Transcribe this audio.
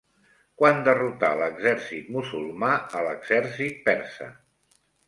Quan derrotà l'exèrcit musulmà a l'exèrcit persa?